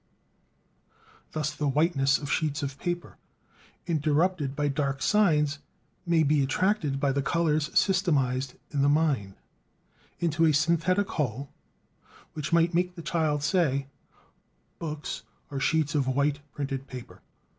Thus the whiteness of sheets of paper, interrupted by dark signs, may be attracted, by the colors systematized in the mind, into a synthetic whole, which might make the child say: Books are sheets of white printed paper.